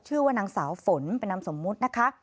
ชื่อว่านางสาวฝนเป็นนามสมมุตินะคะ